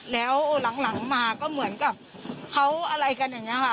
แล้วหลังมาก็เหมือนกับเขาอะไรกันอย่างนี้ค่ะ